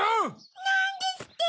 なんですって！